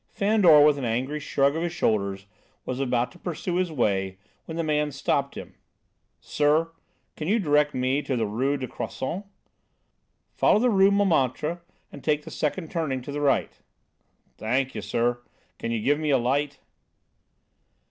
Fandor, with an angry shrug of his shoulders, was about to pursue his way, when the man stopped him. "Sir, can you direct me to the Rue du Croissant?" "Follow the Rue Montmartre and take the second turning to the right." "Thank you, sir; could you give me a light?"